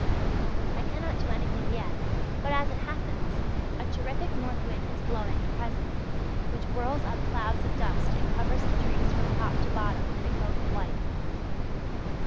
I cannot do anything yet but, as it happens, a terrific north wind is blowing at present, which whirls up clouds of dust and covers the trees from top to bottom in a coat of white.